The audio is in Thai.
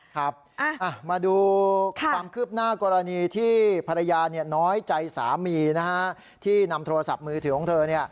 ครับมาดูความคืบหน้ากรณีที่ภรรยาน้อยใจสามีที่นำโทรศัพท์มือถือของเธอ